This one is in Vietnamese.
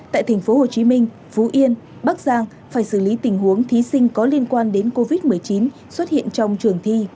tại tp hcm phú yên bắc giang phải xử lý tình huống thí sinh có liên quan đến covid một mươi chín xuất hiện trong trường thi